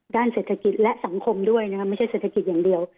ด้านเศรษฐกิจและสังคมด้วยนะคะไม่ใช่เศรษฐกิจอย่างเดียว